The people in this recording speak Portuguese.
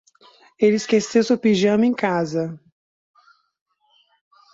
Ele esqueceu seu pijama em casa.